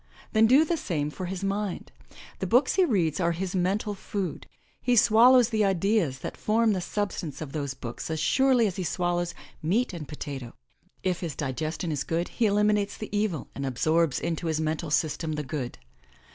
Then do the same for his mind. The books he reads are his mental food. He swallows the ideas that form the substance of those books as surely as he swallows meat and potato. If his digestion is good he eliminates the evil and absorbs into his mental system the good.